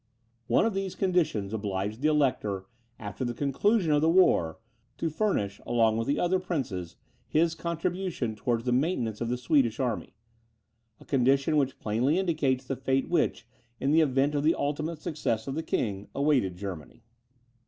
One of these conditions obliged the Elector, after the conclusion of the war, to furnish, along with the other princes, his contribution towards the maintenance of the Swedish army, a condition which plainly indicates the fate which, in the event of the ultimate success of the king, awaited Germany.